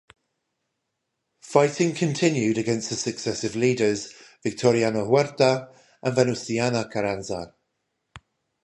Fighting continued against the successive leaders Victoriano Huerta and Venustiano Carranza.